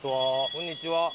こんにちは。